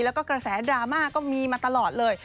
แล้วก็กระแสดราม่าก็มีมาตลอดเลย